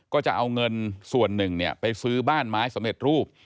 ก็จะเอาเงินส่วนหนึ่งไปซื้อบ้านไม้สำเร็จรูป